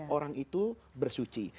orang itu bersuci